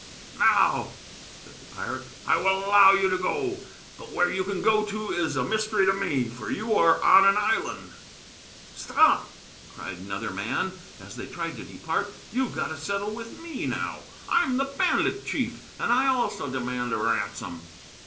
"Now," said the pirate, "I will allow you to go. But where you can go to is a mystery to me, for you are on an island." "Stop!" cried another man, as they turned to depart. "You've got to settle with me, now. I'm the bandit chief, and I also demand a ransom."